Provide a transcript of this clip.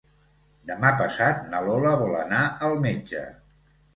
Demà passat na Lola vol anar al metge.